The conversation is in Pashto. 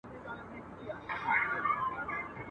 پلار ته ئې ډاډ ورکړ، چي موږ ډير کسان يو.